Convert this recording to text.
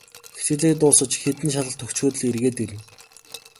Хичээлээ дуусаж, хэдэн шалгалт өгчхөөд л эргээд ирнэ.